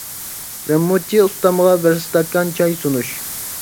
رېمونتچى ئۇستامغا بىر ئىستاكان چاي سۇنۇش.